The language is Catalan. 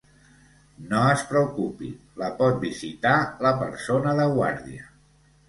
No es preocupi, la pot visitar la persona de guàrdia.